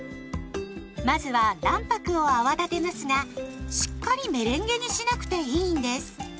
まずは卵白を泡立てますがしっかりメレンゲにしなくていいんです。